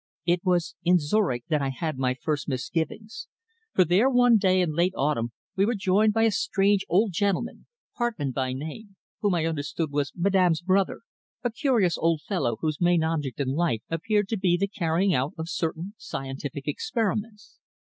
"It was in Zurich that I had my first misgivings, for there one day in late autumn we were joined by a strange old gentleman, Hartmann by name, whom I understood was Madame's brother, a curious old fellow, whose main object in life appeared to be the carrying out of certain scientific experiments.